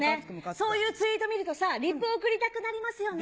そういうツイート見ると、リプを送りたくなりますよね。